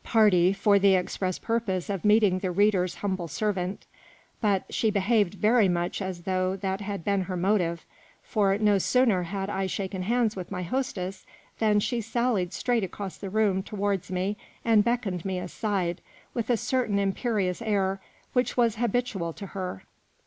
party for the express purpose of meeting the reader's humble servant ; but she behaved very much as though that had been her motive, for no sooner had I shaken hands with my hostess than she sailed straight across the room to wards me and beckoned me aside, with a certain imperious air which was habitual to her.